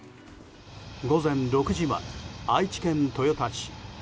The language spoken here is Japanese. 午前６時前、愛知県豊田市。